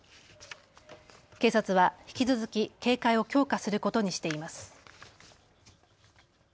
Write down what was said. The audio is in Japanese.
警察は引き続き警戒を強化することにしています。